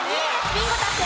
ビンゴ達成